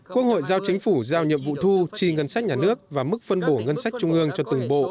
quốc hội giao chính phủ giao nhiệm vụ thu chi ngân sách nhà nước và mức phân bổ ngân sách trung ương cho từng bộ